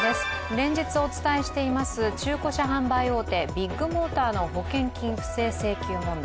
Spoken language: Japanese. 連日お伝えしています中古車販売大手ビッグモーターの保険金不正請求問題。